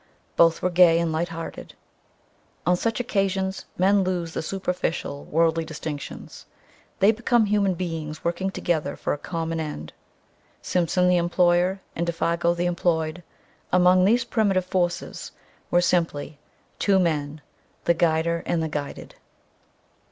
Both were gay and light hearted. On such occasions men lose the superficial, worldly distinctions; they become human beings working together for a common end. Simpson, the employer, and Défago the employed, among these primitive forces, were simply two men, the "guider" and the "guided."